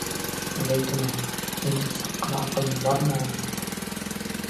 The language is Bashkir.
Зәйтүнә, һинең саҡ ҡына аҡылың бармы ул?